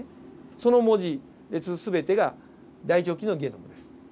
その文字列全てが大腸菌のゲノムです。